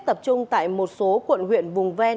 tập trung tại một số quận huyện vùng ven